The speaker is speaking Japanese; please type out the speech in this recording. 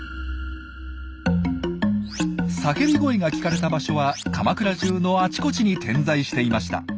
叫び声が聞かれた場所は鎌倉じゅうのあちこちに点在していました。